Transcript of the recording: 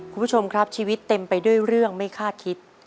คุณผู้ชมครับชีวิตเต็มไปด้วยเรื่องไม่คาดคิด